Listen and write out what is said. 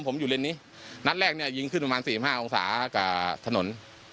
ผมอยู่เลนส์นี้นัดแรกเนี่ยยิงขึ้นประมาณ๔๕องศากับถนน